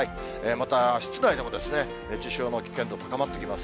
また、室内でも熱中症の危険度、高まってきます。